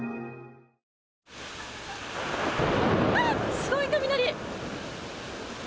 すごい雷。